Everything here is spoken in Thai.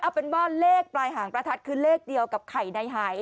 เอาเป็นว่าเลขปลายหางประทัดคือเลขเดียวกับไข่ในหาย